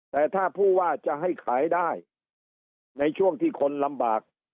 แต่ถ้าผู้ว่าจะให้ขายได้ในช่วงที่คนลำบาก